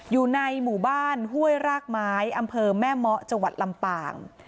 อยู่ในหมู่บ้านห้วยรากไม้อำเภอแม่เมาะจังหวัดลำปาง